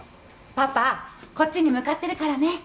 パパこっちに向かってるからね。